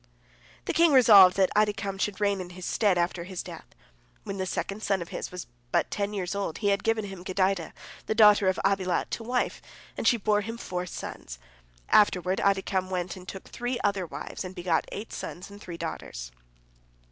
The king resolved that Adikam should reign in his stead after his death. When this second son of his was but ten years old, he had given him Gedidah, the daughter of Abilat, to wife, and she bore him four sons. Afterward Adikam went and took three other wives, and begot eight sons and three daughters.